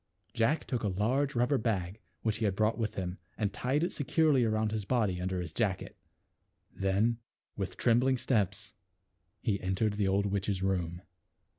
Jack took a large rubber bag which he had brought with him and tied it securely around his body under his jacket ; then with trembling steps he entered the old witch's room.